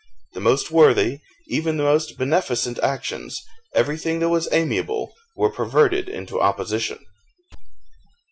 The most worthy, even the most beneficent actions, everything that was amiable, were perverted into opposition.